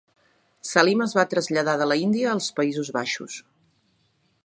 Salim es va traslladar de la Índia als Països Baixos.